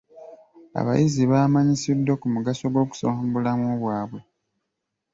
Abayizi baamanyisiddwa ku mugaso gw'okusoma mu bulamu baabwe.